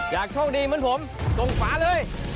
อยากโชคดีเหมือนผมตรงฝาเลย